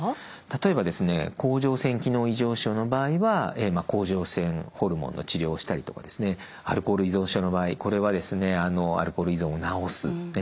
例えば甲状腺機能異常症の場合は甲状腺ホルモンの治療をしたりとかアルコール依存症の場合これはアルコール依存を治す